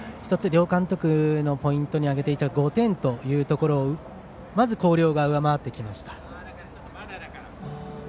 １つ、両監督がポイントに挙げていた５点というところをまず、広陵が上回ってきました。